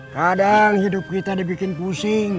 kadang hidup kita dibikin pusing